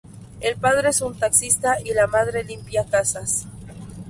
El padre es un taxista y la madre limpia casas.